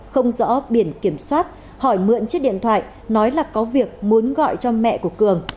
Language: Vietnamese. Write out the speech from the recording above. không rõ biển kiểm soát hỏi mượn chiếc điện thoại nói là có việc muốn gọi cho mẹ của cường